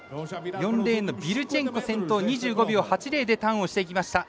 ４レーンのビルチェンコ先頭２５秒８０でターンをしていきました。